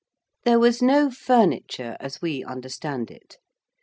There was no furniture, as we understand it.